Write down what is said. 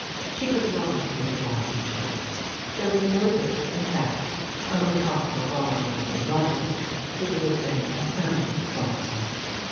She could not have made a wiser choice : there was nobody, in fact, among possible godmothers in London, who would have been a sounder sponsor.